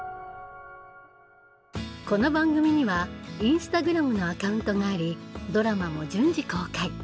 この番組にはインスタグラムのアカウントがありドラマも順次公開。